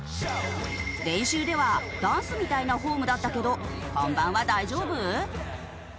練習ではダンスみたいなフォームだったけど本番は大丈夫？